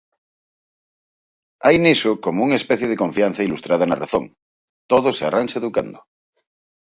Hai niso como unha especie de confianza ilustrada na razón: todo se arranxa educando.